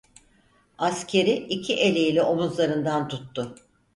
Askeri iki eliyle omuzlarından tuttu.